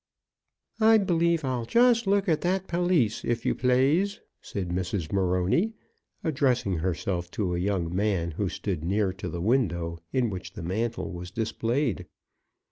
"I believe I'll just look at that pelisse, if you plaze," said Mrs. Morony, addressing herself to a young man who stood near to the window in which the mantle was displayed.